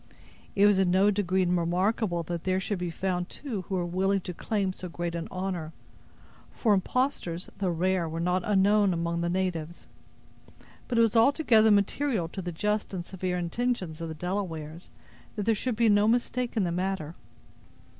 It was in no degree remarkable that there should be found two who were willing to claim so great an honor, for impostors, though rare, were not unknown among the natives; but it was altogether material to the just and severe intentions of the Delawares, that there should be no mistake in the matter.